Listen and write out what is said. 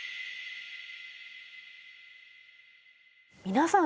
皆さん